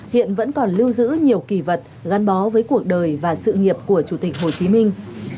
hiện vẫn còn lưu giữ nhiều kỳ vật gắn bó với cuộc đời và sự nghiệp của chủ tịch hồ chí minh